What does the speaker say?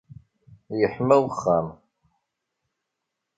Yeḥma wexxam.